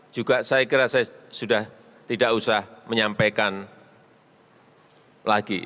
juga saya kira saya sudah tidak usah menyampaikan lagi